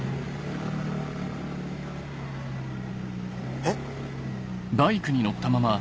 えっ⁉